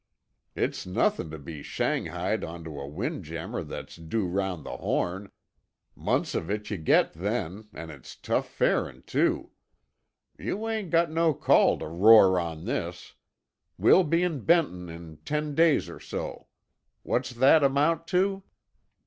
It's nothin' t' bein' shanghaied onto a wind jammer that's due round the Horn—months of it yuh get then, an' it's tough farin', too. You ain't got no call t'roar on this. We'll be in Benton in ten days or so. What's that amount to?"